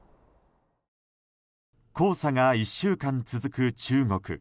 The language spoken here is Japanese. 黄砂が１週間続く中国。